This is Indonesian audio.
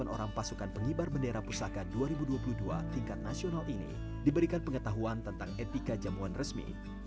delapan orang pasukan pengibar bendera pusaka dua ribu dua puluh dua tingkat nasional ini diberikan pengetahuan tentang etika jamuan resmi